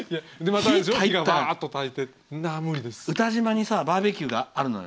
詩島にバーベキューがあるのよ。